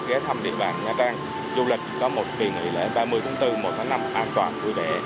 ghé thăm địa bàn nha trang du lịch có một kỳ nghỉ lễ ba mươi tháng bốn một tháng năm an toàn vui vẻ